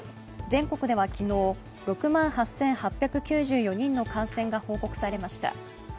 全国では昨日６万８８９４人の感染が報告されました。